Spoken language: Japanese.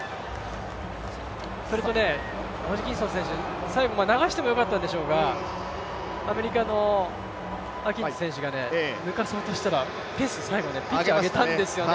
それとホジキンソン選手、最後流してもよかったんでしょうが、アメリカのアキンズ選手が抜かそうとしたら、ペース最後、ピッチを上げたんですよね。